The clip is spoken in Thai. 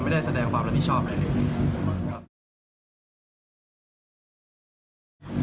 ไม่ได้แสดงความรับผิดชอบอะไรเลยครับ